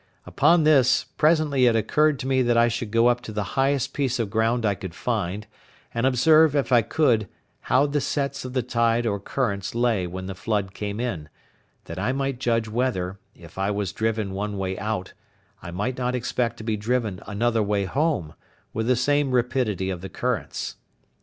Upon this, presently it occurred to me that I should go up to the highest piece of ground I could find, and observe, if I could, how the sets of the tide or currents lay when the flood came in, that I might judge whether, if I was driven one way out, I might not expect to be driven another way home, with the same rapidity of the currents.